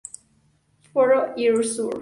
Foro Erasure